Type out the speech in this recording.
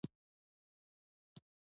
له انګریزانو سره کلکه دښمني لري.